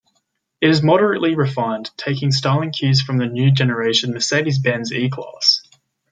It is moderately refined, taking styling cues from the new generation Mercedes-Benz E-Class.